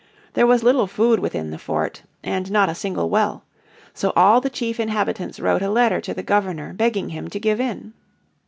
There was little food within the fort, and not a single well. So all the chief inhabitants wrote a letter to the Governor begging him to give in.